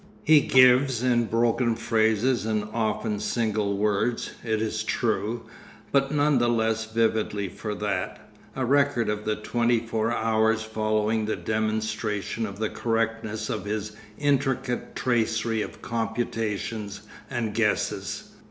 He gives, in broken phrases and often single words, it is true, but none the less vividly for that, a record of the twenty four hours following the demonstration of the correctness of his intricate tracery of computations and guesses.